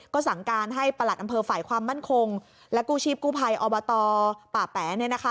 ก็สั่งการให้ประหลัดอำเภอฝ่ายความมั่นคงและกู้ชีพกู้ภัยอบตป่าแป๋